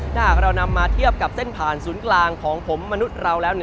ถ้าหากเรานำมาเทียบกับเส้นผ่านศูนย์กลางของผมมนุษย์เราแล้ว